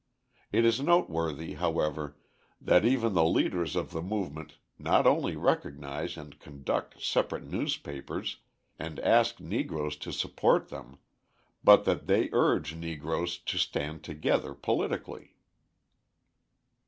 It is noteworthy, however, that even the leaders of the movement not only recognise and conduct separate newspapers and ask Negroes to support them, but that they urge Negroes to stand together politically.